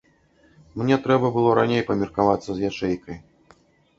Мне трэба было раней памеркавацца з ячэйкай.